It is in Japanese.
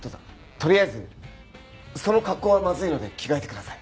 とりあえずその格好はまずいので着替えてください。